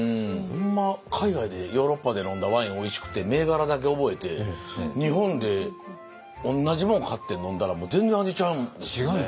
ほんま海外でヨーロッパで飲んだワインおいしくて銘柄だけ覚えて日本で同じ物買って飲んだら全然味ちゃうんですよね。